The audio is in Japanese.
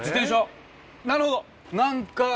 なるほど。